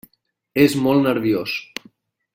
És molt nerviós.